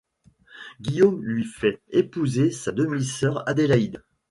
Guillaume lui fait épouser sa demi-sœur Adélaïde.